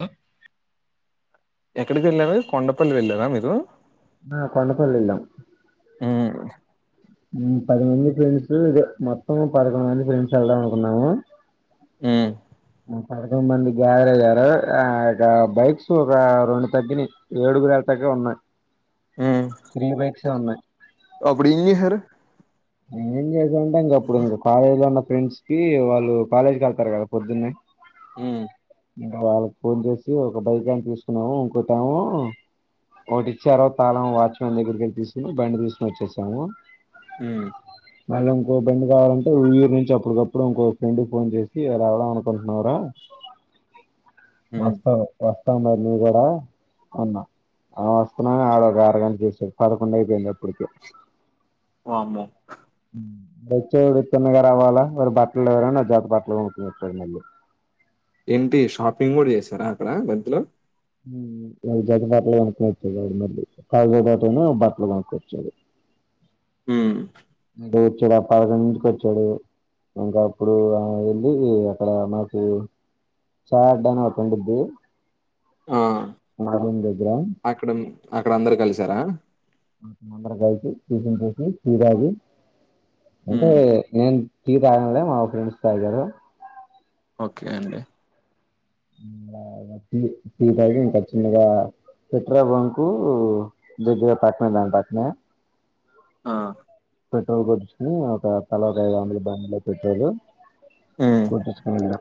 హ ఎక్కడికి వెళ్ళారు కొండపల్లి వెళ్ళారా మీరు ఆ కొండపల్లి వేలం ఉమ్ ఉమ్ పదిమంది ఫ్రెండ్స్ ఇదే మొత్తం పదకొండు మంది ఫెండ్స్ ఎల్దమ్ అనుకున్నాము ఉమ్ ఉమ్ పదకొండు మంది గదారయరు ఆడా బైక్స్ ఒక రెండు తగినయ్ ఏడుగురు వెళ్తాగే ఉన్నాయి త్రీ బైక్స్ ఏ ఉన్నాయి అప్పుడ ఎంచెసారు ఇంకా ఏం కొంటాం ఇంకా అప్పుడు ఇంకా కాలేజ్లోన్న ఫ్రెండ్స్ కి వాళ్ళు కాలేజ్కి వెళ్తారు కదా పొద్దున్నే ఉమ్ వాళ్ళకి ఫోన్ చేసి ఒక బైక్ అని తీసుకున్నాము ఇంకుంటాము ఒకటి ఇచ్చారో తాళం వాచ్మెన్ దగ్గరికి వెళ్లి తీసుకుని బండి తీసుకుని వచ్చేసాము ఉమ్ మళ్ళీ ఇంకో బండి కావాలంటే ఉయ్యూరు నుంచి అప్పటికప్పుడు ఇంకో ఫ్రెండ్కి ఫోన్ చేసి వెళ్దాం అనుకుంటున్నారా ఉమ్. వాస్తవ వాస్త వస్త మరి నువ్వు కూడా ఉన్నా ఆ వస్తున్నా ఆడ ఒక అరగంట చేసడు పదకొండు అయిపోయింది అప్పుడుకే వామో వచ్చాడు త్తన్నగా రావాలా వాడు బట్టలు లేవని ఒక జత బట్టలు కొనుకొని వచ్చాడు మళ్ళీ ఏంటి షాపింగ్ కూడా చేసారా అక్కడ మధ్యలో ఉమ్ ఒక జాతా బట్టలు కొనుకొనివ్చాడు ఆడు మళ్ళీ కాజో పాటుయినా బట్టలు కొనుకోచాడు ఉమ్ అ వచ్చాడు ఆ పదకొండు కి వచ్చాడు ఇంకా అప్పుడు ఆ వెళ్ళి అక్కడ మాకు చడ్డాని ఒకటి ఉండిది ఆ అక్కడ అక్కడ అందరు కలిసారా హా ఆదారం కలిసి టిఫిన్ చేసి టీ తాగి అంటే ఉమ్, నేన్ టీ తాగాను మా ఫ్రెండ్స్ తాగారు ఓకే అండి ఇంకా చిన్నగా పెట్రోల్ బంకు దగ్గర పక్కనే దాని పక్కనే ఆ పెట్రోల్ కొట్టించు కొన్ని ఒక తల ఒక ఐదు వందలు బండిలో పెట్రోల్ ఉమ్, కొట్టించుకొని వెళ్ళరా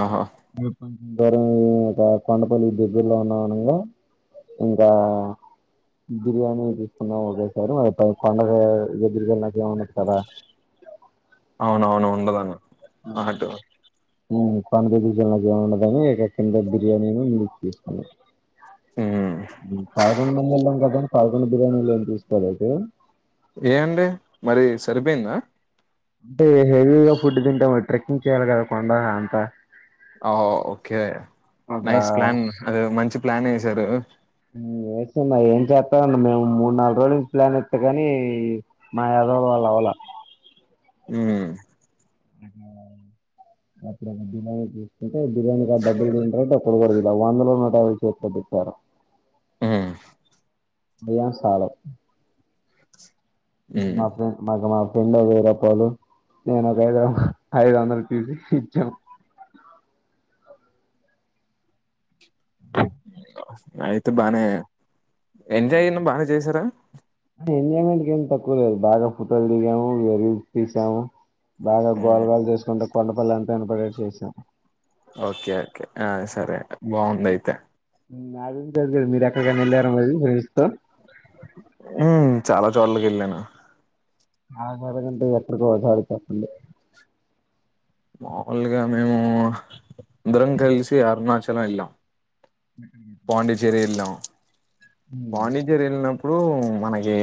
ఆహా దర ఒక కొండపల్లి దగ్గరలో ఉన్నాం అనంగా ఇంకా బిర్యానీ తీసుకున్నాము ఒకేసారి మ కొండ దగ్గరికి వెళ్ళా ఎమన్నా ఇస్తారా ఉండదు అన్న ఆటో ఉమ్ కొండ దగ్గరకు వెళ్ళినాక ఏమి ఉండదని ఇక కిందే బిర్యానీని మూడు ఉమ్, తీసుకున్నాం కార్గం మనలం అదం పదకుండు బిర్యానీలు ఏమి తీసుకోలేదు ఏ అండి మరి సరిపోయిందా అ హెవీగా ఫుడ్ తింటా మట్రి ఉం చేయాలి కొండా అంత ఆ ఓకే ఒక నైస్ ప్లాన్ అదే మంచి ప్లాన్ వేసారు వసమా ఏం చెస్తామండి మేము మూడు నాలుగు రోజుల నుంచి ప్లాన్ ఇస్తా కాని మా ఎదవల వల్ల అవ్వాలా ఆమ్ అప్పుడు [unintelligible] బిర్యానీ కాడా డబ్బులు తింటారు డబ్బు ఇది వరుగు వందలో నూట యాభై చేతులోపెట్టారు ఉమ్ బియ్యం సాలవ్ ఉమ్. మాఫ్రెండ్ మాగా మాఫ రెండో వేయి రూపాయలు నేను ఒక ఐదు ఐదు వందలు తీసి ఇచ్చాం అయితే బానే ఎంజాయ్ అయినా బానే చేసారా ఎంజాయ్మెంట్ ఏం తక్కువ లేదు బాగా ఫోటోలు దిగాము రీల్స్ తీసాము బాగా గోల ఉమ్, గోల చేసుకుంటూ కొండపల్లి అంతా వినపడే అట్టు చేసినం ఓకే ఓకే ఆ సరే బాగుంది అయితే నాగురించి వద్దులెండి మీరు ఎక్కడికైనా వెళ్ళారా మరి ఫ్రెండ్స్ తో ఉమ్ చాలా చోట్లకి వెళ్ళాను [unintelligible] ఎక్కడికో ఓ కాడికి చెప్పండి మాములుగా మేము అందరం కలిసి అరుణాచలం వెళ్ళాం పాండిచ్చేరి వెళ్లాం హ్మ్. పాండి చెర్రీ ఎల్లినప్ ప్పుడు మన ఎ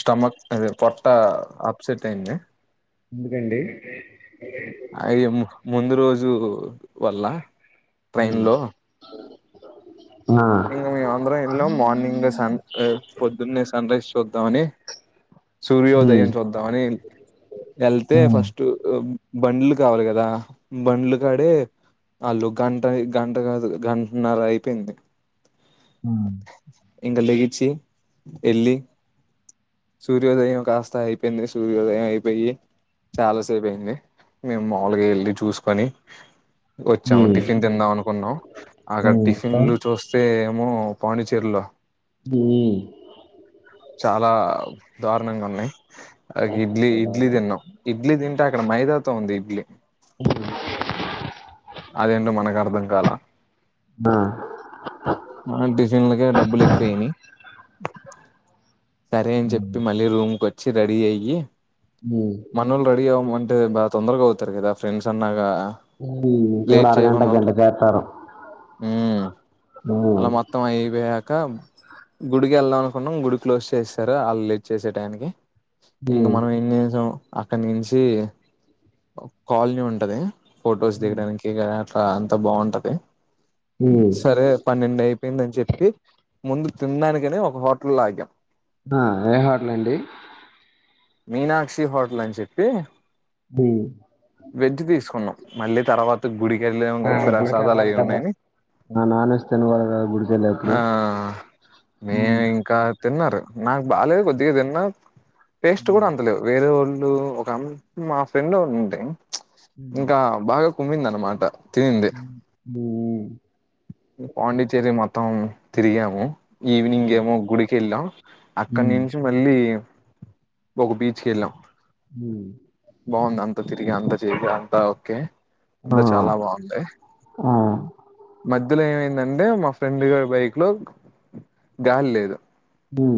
స్టమక్ అదే పొట్ట అప్సెట్ అయింది ఎందుకండీ జూ వల్ల హు ఇంగ మేము అందరం ఎల్లం మార్నింగ్ సన్ పొద్దున్నే సన్ రైజ్ చూద్దామని హ్మ్. సూర్యోదయం చూద్దాం అని ఏల్తే హ్మ్. ఫస్టు బండ్లు కావాలి కదా బండ్లు కాడే ఆళ్ళు గంట గంట కాదు గంటన్నర అయిపోయింది ఊ ఇంక లేచి ఏళ్ళి సూర్యోదయం కాస్త అయిపోయింది సూర్యోదయం అయిపోయి చాలాసేపు అయింది మేము మాములుగా ఏళ్ళి చూసుకొని వచ్చాము హ్మ్. టిఫిన్ తిందాం అనుకున్నాం అక్కడ హ్మ్. టిఫిన్లు హ్మ్. చూస్ ఏమో పాండి చెర్రీలో బు చాలా దారుణంగా ఉన్నాయి ఒక కాస్ట్ ఇడ్లీ ఎక్కువ ఇడ్లీ బాగా. తిన్నాం ఇడ్లీ తింటా అక్కడ మైదా తో ఉంది ఇడ్లీ అ [unintelligible] అదేంటో మనకు అర్ధం కాలా ఆ! ఆ డిజైన్లకే డబ్బులు ఎక్కువయినయి సరే అని హ్మ్. చెప్పి మళ్ళీ రూమ్ కో వచ్చి రెడీ అయ్యి హ్మ్. మనోళ్లు రెడీ అవ్వమం అంటే బా తొందరగా అవుతారు కదా ఫ్రెండ్స్ అన్నాగా ఉహ్ ముగ్గురు లేట్ అరగంట చేయకుండా గంట ఉంటాం చేస్తారు ఉమ్ హ్మ్ ఇంకా గుడికి వెళ్దాం అనుకున్నాం గుడి క్లోజ్ చేసేసరు వాళ్ళలేట్ చేసే టయానికి ఇంక హ్మ్. మనం ఎంచేసామ్ అక్కడ నుంచి కాలనీ ఉంటది ఫో హ్మ్. చేయడానికి ఆ అంత బాగుంటది హ్మ్. సరే పన్నెండు అయిపోయిందని చెప్పి ముందు తినడానికనే ఒక హోటలో ఆగాం ఆ! ఏ హోటలండి? మీనాక్షి హోటల్ అని చెప్పి హ్మ్. వెజ్ తీసుకున్నాం తర్వాత గుడి ఆ గుడికెళ్ళాలి కదా న నాన్ వెజ్ తినకుడదు గుడికెళ్ళెటప్పుడు ఆ మేము ఇంకా తిన్నారు నాకు బాలేదు కొద్దిగా తిన్నా టేస్ట్ కూడా హ్మ్. అంతలేదు వేరే వోళ్ళు ఇప్పుడు ఒక మా ఆం ఫ్రెండ్ ఒకడ్ ఉండే ఇంకా కుమ్మిందాన్నమాట తినిన్ది హ్మ్. పాండిచ్చేరి మొత్త త్తం తిరిగాము హ్మ్. ఈవినింగేమో ఒక గుడికి వెళ్ళాం హ్మ్. హ్మ్. అక్కనుంచి మళ్ళీ ఒక బీచ్కెళ్ళం హ్మ్ త తిరిగి అంత చేసి అంతా ఓకే అంతా ఆ! చాలా బాగుంది ఆ! మధ్యలో ఏమైందట్ అంటే మా ఫ్రెండ్ గారి బైక్ లో గాలి లేదు హ్మ్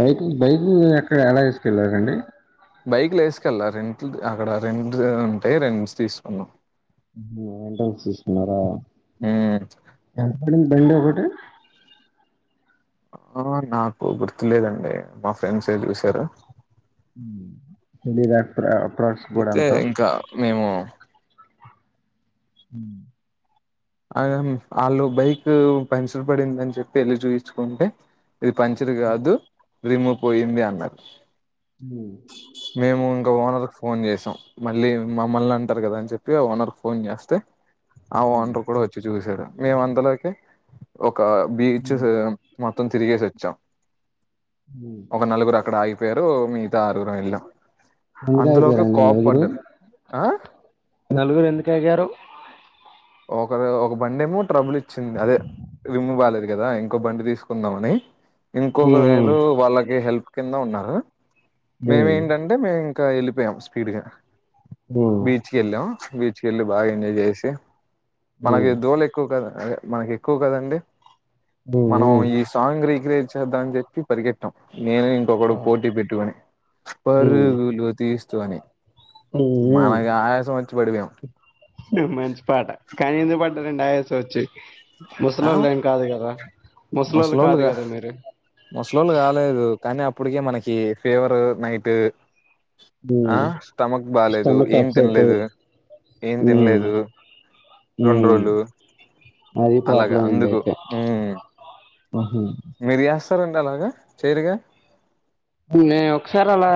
బైక్ బైక్ ఎక్కడ ఎలా ఎసుకెళ్ళడండి బైక్లు వేసుకెళ్ళ రెంట్లు అక్కడ రెంట్ ఉంటే రెంట్స్ తీసుకున్నాం రెంట్స్ తీస్కున్నారా హ్మ్ ఎంత పడింది బండి ఒకటి ఆ నాకు గుర్తులేదండి, మా ఫ్రెండ్స్ ఏ చూసారు. తెలిదా యితే ఇంకా మేము హ ఆ ఆళ్ళు బైక్ పంచర్ పడిందని చెప్పి ఎళ్ళి చూయించుకుంటే ఇది పంచరి కాదు రిము పోయింది అన్నారు. హ్మ్ మేము ఇంకా వానలె ఫోన్ చేసాం మళ్ళీ మమ్మల్ని అంటారు, కదా అని చెప్పి ఓనర్ ఫోన్ చేస్తే. హ్మ్ అవుఅంట్ర్ చూసాడు మేము అంతలోకె ఒ ఆ బీచేస్ మొత్తం తిరిగెసొచ్చం ఒక నలుగురు అక్కడ ఆగిపోయారు మీం ఆర్గురం వెల్లం నలుగురు ఆ నలుగురు ఎందుకు ఆగారు ఒకరు ఒక బండేమో ట్రబుల్ ఇచ్చింది అదే లిమ్ము బాలేదు కదా ఇంకో బండి తీసుకుందాం అని ఇంకొకరు హ్మ్ ఏదో వాళ్ళకి హెల్ప్ కింద ఉన్నారు మేము హ్మ్ ఏంటంటే మె ఇంకా వెళ్ళిపోయాం స్పీడ్ గా హ్మ్ హ్మ్ బీచ్ కెళ్ళాం బీచ్కి వెళ్ళి బాగా ఎంజాయ్ జేసి మనకి హ్మ్ దూళ ఎక్కువ కదా అదే మనకి ఎక్కువ కదండి మనం హ్మ్ ఈ సాంగ్ రీక్రియేచ్ ధానికి జెప్పి పరిగెత్తాం నేను ఇంకొకడు పోటీ పెట్టుకుని హ్మ్ పరుగులు తీస్ స్తు అనే హ్మ్ మనకు ఆయాసం వచ్చి పడిబొయం కాని ఎందుకు పడ్డారండి ఆయాసం వచ్చీ ఆ ముసలోల్లు ఏం కాదు కదా ముసలోళ్లు కాదు ముసలోళ్ళుగా కదా మీరు ముసలోళ్ళు గాలేదు కాని గాని అప్పడికే మనకి ఫీవర్ నైట్ ఆ హ్మ్ స్టమక్ బాలేేదు స్టమక్ ఏం తిన్ అప్సెట్ లేదు ఏం తిన్ హ్మ్ లేదు రెండు హ్మ్ రోజులు అది అలాగ ప్రాబ్లం అయింది అందుకు అయితే మ్మ్ ఆహా మిరియాస్ తరండలాగ చేయరుగా నేను ఒకసారి అలా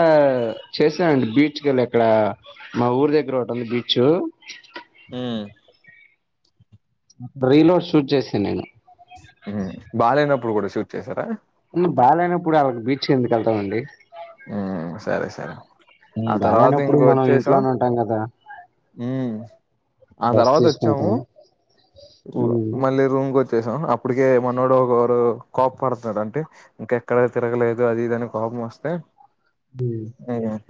చేసా అండి బీచ్ కెళ్ళి అక్కడా మా ఊరు దగ్గర ఒకటి ఉంది బీచ్చూ ఊ రీలోడ్ షూట్ చేసా నేను మ్మ్ బాలేనప్పుడు కూడ షూట్ చేసారా మ్మ్ బాలేనప్పుడు ఆళ్ళకి బీచ్ కి ఎందుకు ఎళ్తామండి ఉ సరే సరే ఆ మ్మ్ తర్వాత బాలేనప్పుడు మనం ఇంట్లోనే ఉంటాం కదా మ్మ్ ఆ బస్ తర్వాత వచ్చాము తీసుకుంటాం ఊ మళ్ళీ రూమ్ కోచ్ చేసాం అప్పటికే మనోడు ఒకరు కోప్పడుతాడు అంటే ఇంకా ఎక్కడ తిరగలేదు అది ఇది అని కోపం వస్తే హ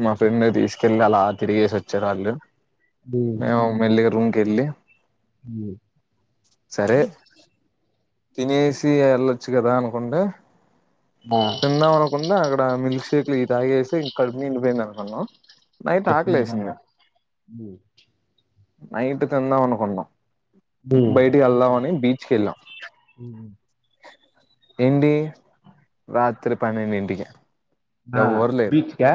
మా ఫ్రెండ్ ని తీసుకెళ్లి అలా తిరిగేసి వచ్చారు ఆళ్ళు మేం మెల్లిగా రూమ్ కెళ్ళి ఉ సరే తినేసి వెళ్ళచ్చు గదా అనుకుంటే తిందాం అనుకుండ అక్కడ మిల్ షేక్లు ఈ తాగేసి ఈ కడుపు నిండిపోయింది అనుకున్నాం నైట్ ఎపు నీదన్న ఆకలేసింది బు నైట్ తిందాం అనుకున్నాం బయటికెళ్దామని బీ కెళ్ళ ఉహు ఏండి రాత్రి పన్నెండు ఇంటికి హ బీచ్ కా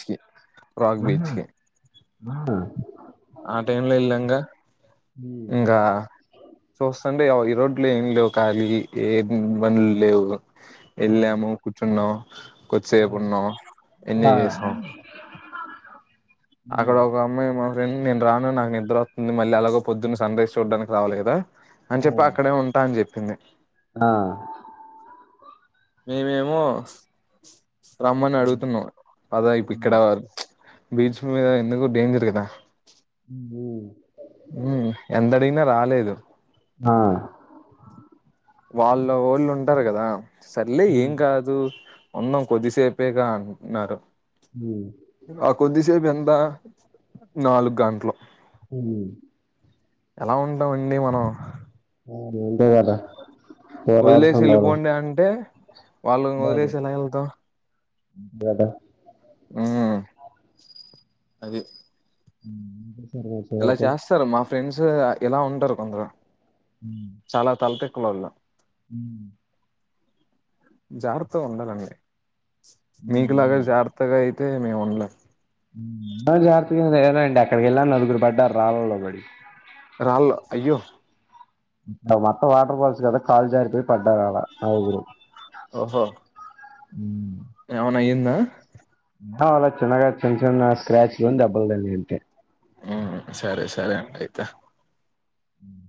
చ్కి రాక్ బీచ్ కే ఆహ ఆ టైమ్ లో వెళ్ళాం గా ఇంగా చూస్తాను బె అవు ఈ రోడ్లు ఏం లేవు ఖాలీ ఏం బానులు లేవు వెళ్ళాము కూర్చున్నాం కొద్దిసేపు ఉన్న ఎన్నిజేసం అక్కడ ఒక అమ్మాయి మా ఫ్రెండ్ నేను రాను నాకు నిద్ర వుంది మళ్ అలాగో పొద్దున సన్రైజ్ చూడానికి రావాలి గదా అని చెప్పి అక్కడే ఉంటా అని చెప్ పిందె ఆ మీ ఏమో రమ్మని అడుగుతున్నాం పద ఇపు ఇక్కడ వర్ బీచ్ మీద ఎందుకు డేంజర్ గదా ఊమ్ బు ఉం ఎంత అడిగినా రాలేదు ఆ వాళ్ళు ఒళ్ళు ఉంటారు కదా సర్లే ఏం కాదు ఉందం కొద్దిసేపేగా అంటనరు ఆ ఆ కొద్దిసెప్ ఎంతా నాలుగు గంటలు ఉం ఎలా ఉంటామండి మనం ఉం ఇంతేగద వదిలేసి ఎళ్ళిపోండి అంటే వాళ్ళను వదిలేసి ఎలా ఎల్తామ్ గదా ఆ అది [inaudible] ఇలా చివరికి చేస్తారు మా ఫ్రెండ్స్ ఎలా ఉంటారు కొందరు చాల తలకా [unintelligible] [inaudible] జాగ్రత్తగా ఉండాలండి మీకులాగా జగ్రతగా అయితే మేము [unintelligible] జాగ్రత్తగానే లేదండి అక్కడికి వెళ్ళాను నలుగురు పడ్డారు రాళ్లలో బడి రాళ్ల అయ్యో అక్కడ మొత్తం వాటర్ ఫాల్స్ కదా కాలు జారిపోయి పడ్డారు ఆడా నలుగురు ఎమ్మన [unintelligible] ఆ ఆ అలా చిన్నగా చిన్న చిన్న స్క్రాచ్లు దెబ్బల్ తగిలినట్టే ఉ సరే సరే అండి అయితే ఆహ్